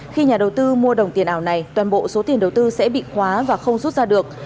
khi nhà đầu tư mua đồng tiền ảo này toàn bộ số tiền đầu tư sẽ bị khóa và không rút ra được